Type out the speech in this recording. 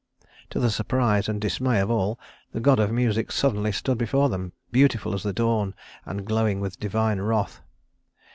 To the surprise and dismay of all, the god of music suddenly stood before them, beautiful as the dawn and glowing with divine wrath.